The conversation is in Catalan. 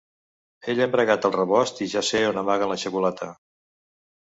He llambregat el rebost i ja sé on amaguen la xocolata.